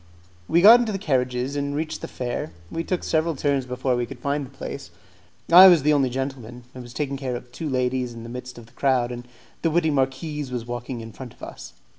We got into the carriages, and reached the fair. We took several turns before we could find the place. I was the only gentleman; I was taking care of two ladies in the midst of the crowd, and the witty marquise was walking in front of us.